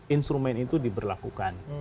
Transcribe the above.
instrumen itu diberlakukan